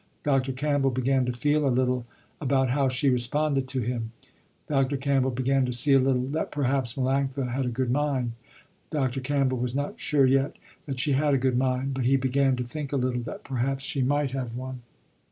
Dr. Campbell began to feel a little, about how she responded to him. Dr. Campbell began to see a little that perhaps Melanctha had a good mind. Dr. Campbell was not sure yet that she had a good mind, but he began to think a little that perhaps she might have one.